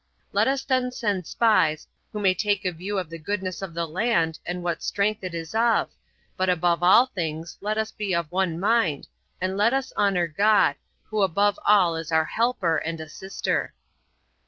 Let us then send spies, who may take a view of the goodness of the land, and what strength it is of; but, above all things, let us be of one mind, and let us honor God, who above all is our helper and assister."